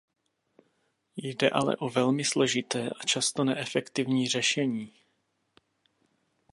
Jde ale o velmi složité a často neefektivní řešení.